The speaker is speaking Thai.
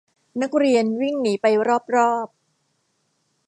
นักเรียนวิ่งหนีไปรอบรอบ